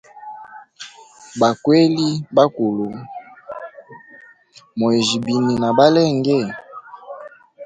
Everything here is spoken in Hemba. Bwakeli bakulu, moyijya bini nabalenge?